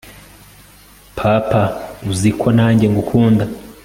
papa uzi ko nanjye ngukunda